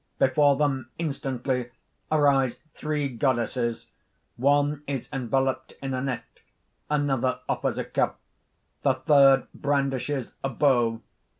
_ _Before them instantly arise three goddesses one is enveloped in a net; another offers a cup; the third brandishes a bow.